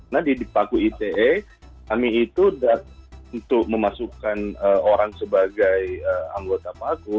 nah di paku ite kami itu untuk memasukkan orang sebagai anggota paku